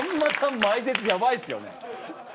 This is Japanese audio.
前説やばいっすよね。